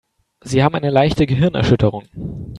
Sie haben eine leichte Gehirnerschütterung.